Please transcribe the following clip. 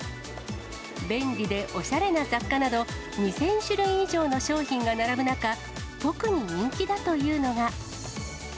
便利でおしゃれな雑貨など、２０００種類以上の商品が並ぶ中、特に人気だというのが。